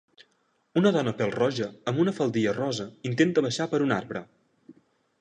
Una dona pèl-roja amb un faldilla rosa intenta baixar per un arbre.